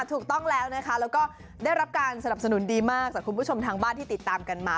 ถูกต้องแล้วนะคะแล้วก็ได้รับการสนับสนุนดีมากจากคุณผู้ชมทางบ้านที่ติดตามกันมา